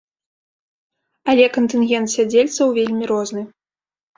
Але кантынгент сядзельцаў вельмі розны.